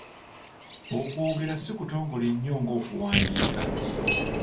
Okwogera si kutongole nnyo ng'okuwandiika.